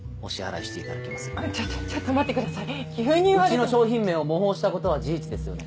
うちの商品名を模倣したことは事実ですよね？